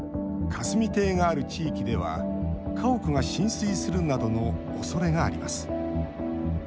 霞堤がある地域では家屋が浸水するなどのおそれがあります。